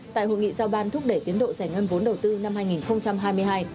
tại hội nghị giao ban thúc đẩy tiến độ giải ngân vốn đầu tư năm hai nghìn hai mươi hai